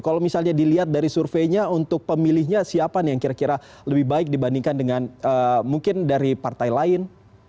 kalau misalnya dilihat dari surveinya untuk pemilihnya siapa nih yang kira kira lebih baik dibandingkan dengan mungkin dari partai lain